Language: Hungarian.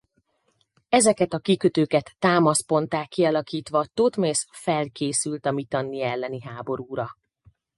Ezeket a kikötőket támaszponttá kialakítva Thotmesz felkészült a Mitanni elleni háborúra.